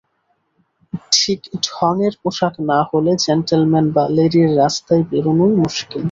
ঠিক ঢঙের পোষাক না হলে জেণ্টলম্যান বা লেডির রাস্তায় বেরুনই মুশকিল।